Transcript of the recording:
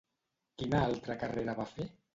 Quina altra carrera va fer?